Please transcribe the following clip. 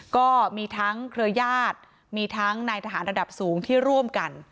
ก็มีทั้งเครือญาติมีทั้งนายทหารระดับสูงที่ร่วมกัน